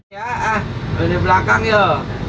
ya ah lini belakang yuk